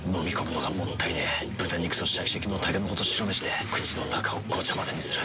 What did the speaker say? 豚肉とシャキシャキのたけのこと白めしで口の中をごちゃ混ぜにする。